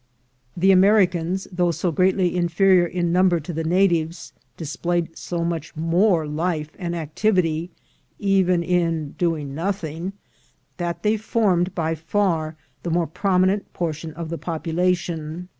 The Americans, though so greatly inferior in num bers to the natives, displayed so much more life and activity, even in doing nothing, that they formed by far the more prominent portion of the population.